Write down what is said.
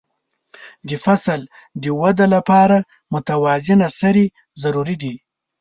د فصل د وده لپاره متوازنه سرې ضروري دي.